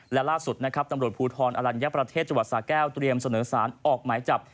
และล่าสุดนะครับตำรวจภูทรอลัญญประเทศจังหวัดสาแก้วเตรียมเสนอสารออกหมายจับ